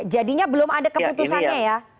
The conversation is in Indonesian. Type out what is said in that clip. jadi belum ada keputusannya ya